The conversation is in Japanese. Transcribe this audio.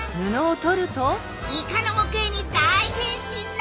イカの模型に大変身なのだ！